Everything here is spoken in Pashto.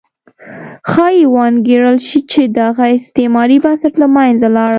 ښایي وانګېرل شي چې دغه استعماري بنسټ له منځه لاړ.